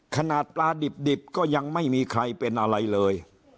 ขนาดปลาดิบก็ยังไม่มีใครเป็นอะไรเลย